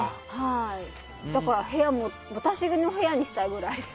だから部屋も私の部屋にしたいくらい。